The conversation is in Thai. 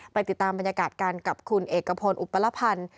ไปติดตามบรรยากาศกันกับคุณเอกพลอุปลพันธ์